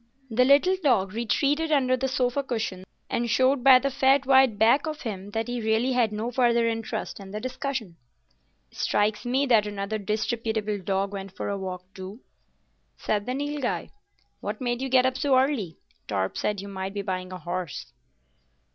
The little dog retreated under the sofa cushion, and showed by the fat white back of him that he really had no further interest in the discussion. "Strikes me that another disreputable dog went for a walk, too," said the Nilghai. "What made you get up so early? Torp said you might be buying a horse."